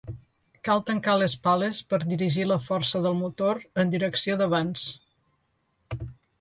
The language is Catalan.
Cal tancar les pales per dirigir la força del motor en direcció d'avanç.